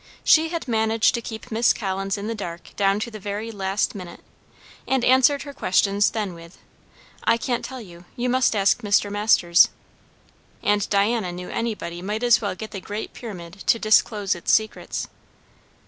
She had managed to keep Miss Collins in the dark down to the very last minute, and answered her questions then with, "I can't tell you. You must ask Mr. Masters." And Diana knew anybody might as well get the Great Pyramid to disclose its secrets.